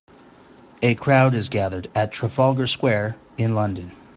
A crowd is gathered at Trafalgar Square in London.